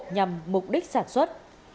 nhằm mục đích sản xuất